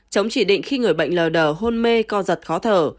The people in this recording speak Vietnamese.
chống chỉ định khi người bệnh lờ đờ hôn mê co giật khó thở